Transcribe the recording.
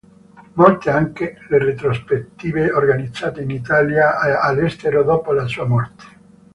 Molte anche le retrospettive organizzate in Italia e all'estero dopo la sua morte.